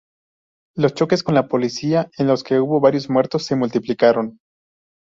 Los choques con la policía, en los que hubo varios muertos, se multiplicaron.